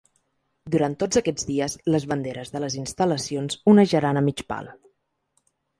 Durant tots aquests dies, les banderes de les instal·lacions onejaran a mig pal.